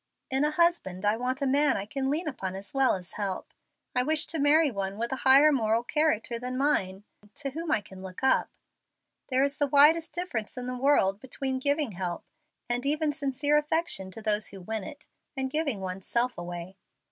In a husband I want a man I can lean upon as well as help. I wish to marry one with a higher moral character than mine, to whom I can look up. There is the widest difference in the world between giving help, and even sincere affection to those who win it, and giving one's self away.